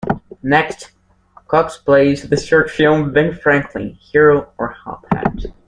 Next, Cox plays the short film Ben Franklin: Hero or Hophead?